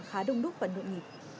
khá đông đúc và nội nhịp